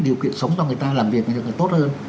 điều kiện sống cho người ta làm việc tốt hơn